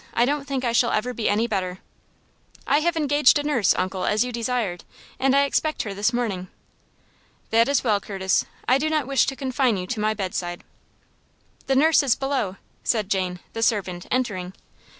I don't think I shall ever be any better." "I have engaged a nurse, uncle, as you desired, and I expect her this morning." "That is well, Curtis. I do not wish to confine you to my bedside." "The nurse is below," said Jane, the servant, entering.